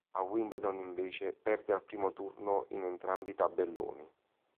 A Wimbledon invece perde al primo turno in entrambi i tabelloni.